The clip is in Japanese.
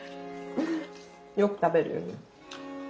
よく食べるよね。